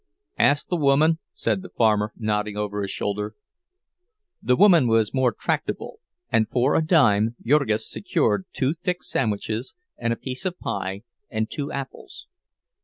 "Ask the woman," said the farmer, nodding over his shoulder. The "woman" was more tractable, and for a dime Jurgis secured two thick sandwiches and a piece of pie and two apples.